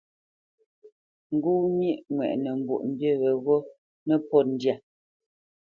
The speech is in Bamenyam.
Ŋgó myéʼ ŋwɛʼnə Mbwoʼmbî yeghó nə́pōt ndyâ.